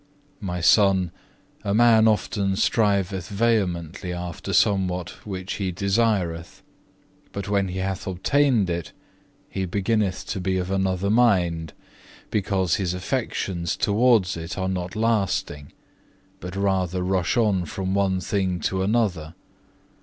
3. "My Son, a man often striveth vehemently after somewhat which he desireth; but when he hath obtained it he beginneth to be of another mind, because his affections towards it are not lasting, but rather rush on from one thing to another.